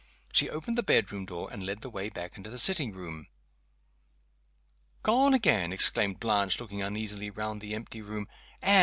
She opened the bedroom door, and led the way back into the sitting room. "Gone again!" exclaimed Blanche, looking uneasily round the empty room. "Anne!